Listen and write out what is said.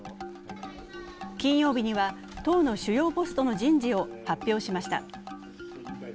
金曜日には党の主要ポストの人事を発表しました。